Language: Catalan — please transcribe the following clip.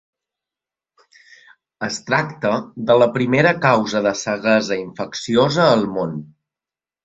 Es tracta de la primera causa de ceguesa infecciosa al món.